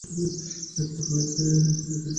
বর্তমানে এই জেলাটি রেড করিডোরের অন্তর্গত।